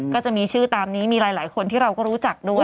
ก็จะมีชื่อตามนี้มีหลายคนที่เราก็รู้จักด้วย